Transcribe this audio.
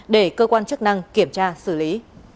để cơ quan chức năng kiểm tra xử lý